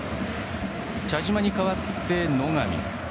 茶島に代わって野上。